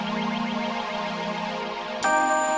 bur cang ijo